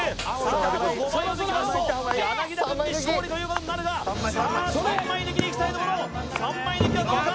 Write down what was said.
あと５枚を抜きますと柳田軍に勝利ということになるがさあ３枚抜きにいきたいところ３枚抜きはどうか？